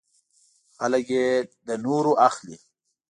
خلک یې له نورو اخلي .